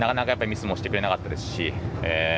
なかなかミスもしてくれなかったですし。